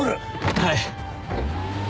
はい。